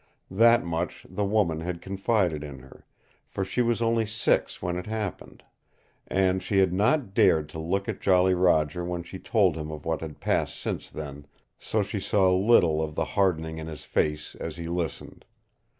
That much the woman had confided in her, for she was only six when it happened. And she had not dared to look at Jolly Roger when she told him of what had passed since then, so she saw little of the hardening in his face as he listened.